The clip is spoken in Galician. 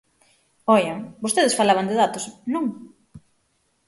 Oian, vostedes falaban de datos, ¿non?